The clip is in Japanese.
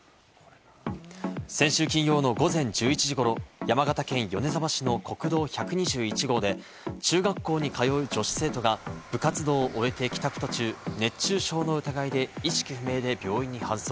先週金曜の午前１１時ごろ、山形県米沢市の国道１２１号で中学校に通う女子生徒が部活動を終えて帰宅途中、熱中症の疑いで意識不明で病院に搬送。